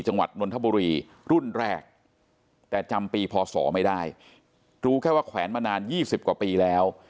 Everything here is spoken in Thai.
จังหวัดนนทบุรีรุ่นแรกแต่จำปีพศไม่ได้รู้แค่ว่าแขวนมานาน๒๐กว่าปีแล้ว